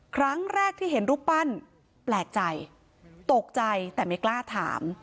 ครั้งแรกที่เห็นรูปปั้นแปลกใจตกใจแต่ไม่กล้าถาม